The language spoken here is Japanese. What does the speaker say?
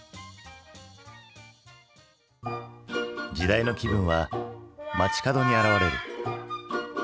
時代の気分は街角に表れる。